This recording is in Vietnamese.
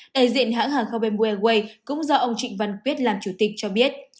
đại diện hãng hàng không bamboo airways cũng do ông trịnh văn quyết làm chủ tịch cho biết